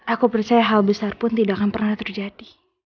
aku percaya hal besar pun tidak akan pernah terjadi